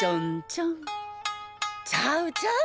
ちゃうちゃう！